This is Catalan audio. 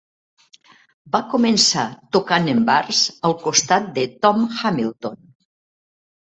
Va començar tocant en bars al costat de Tom Hamilton.